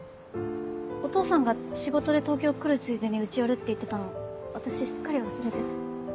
お父さんが仕事で東京来るついでに家寄るって言ってたの私すっかり忘れてて。